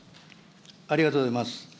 ありがとうございます。